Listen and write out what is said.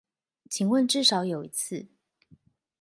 請問至少有一次